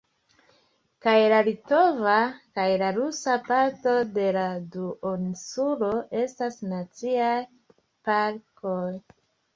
Kaj la litova kaj la rusa parto de la duoninsulo estas Naciaj Parkoj.